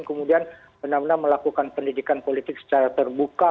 kemudian benar benar melakukan pendidikan politik secara terbuka